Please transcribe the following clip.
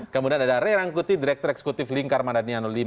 kemudian ada rey rangkuti direktur eksekutif lingkar manadiano v